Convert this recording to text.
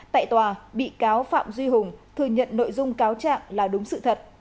tại tòa bị cáo phạm duy hùng thừa nhận nội dung cáo trạng là đúng sự thật